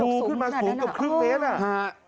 ทูขึ้นมาสูงกับครึ่งเฟซน่ะครับ